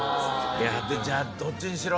じゃあどっちにしろ。